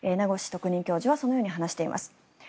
特任教授はそのように話しています。